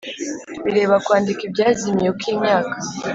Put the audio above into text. Bireba kwandika ibyazimiye uko imyaka